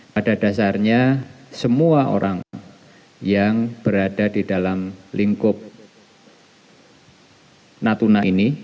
pada dasarnya semua orang yang berada di dalam lingkup natuna ini